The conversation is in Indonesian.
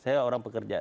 saya orang pekerja